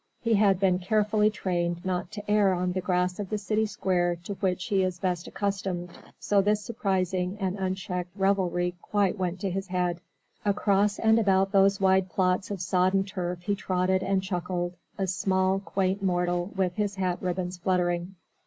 He has been carefully trained not to err on the grass of the city square to which he is best accustomed, so this surprising and unchecked revelry quite went to his head. Across and about those wide plots of sodden turf he trotted and chuckled, a small, quaint mortal with his hat ribbons fluttering.